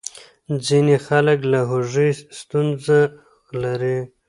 ځینې خلک له هوږې ستونزه لري.